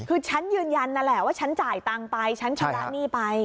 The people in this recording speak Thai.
คือฉันยืนยันนั่นแหละว่าฉันจ่ายตังค์ไปฉันชำระหนี้ไป